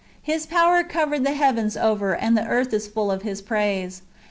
His powder covered the heavens over, and the earth is full of His praise.